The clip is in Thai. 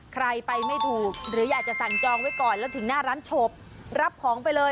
ใครไปไม่ถูกหรืออยากจะสั่งจองไว้ก่อนแล้วถึงหน้าร้านฉบรับของไปเลย